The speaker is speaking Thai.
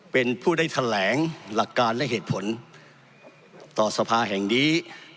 เป็นผู้ได้แถลงหลักการและเหตุผลต่อสภาแห่งนี้